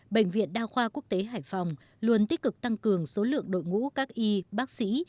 bệnh viện đa khoa quốc tế hải phòng luôn tích cực tăng cường số lượng đội ngũ các y bác sĩ